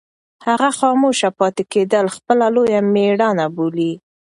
هغه خاموشه پاتې کېدل خپله لویه مېړانه بولي.